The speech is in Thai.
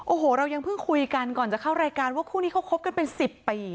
โอ้โหเรายังเพิ่งคุยกันก่อนจะเข้ารายการว่าคู่นี้เขาคบกันเป็น๑๐ปี